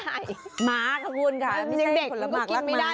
หมาขอบคุณค่ะมันยังเด็กมันก็กินไม่ได้